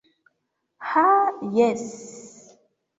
Ha jes...